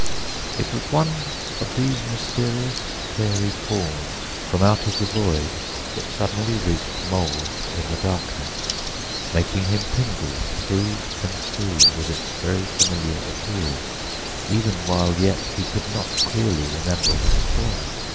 It was one of these mysterious fairy calls from out the void that suddenly reached Mole in the darkness, making him tingle through and through with its very familiar appeal, even while yet he could not clearly remember what it was.